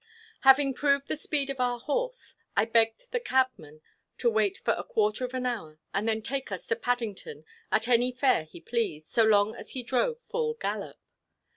Having proved the speed of our horse, I begged the cabman to wait for a quarter of an hour, and then take us to Paddington at any fare he pleased, so long as he drove full gallop.